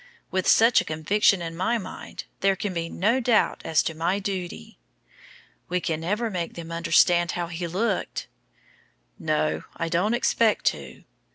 With such a conviction in my mind, there can be no doubt as to my duty." "We can never make them understand how he looked." "No. I don't expect to."